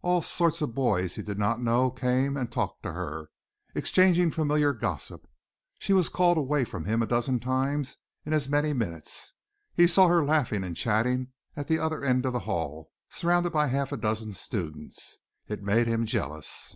All sorts of boys he did not know came and talked to her, exchanging familiar gossip. She was called away from him a dozen times in as many minutes. He saw her laughing and chatting at the other end of the hall, surrounded by half a dozen students. It made him jealous.